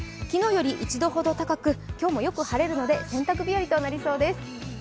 昨日より１度ほど高く、今日もよく晴れるので洗濯日和となりそうです。